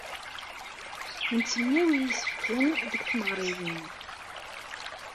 Nettemyawi isefken deg tmeɣriwin.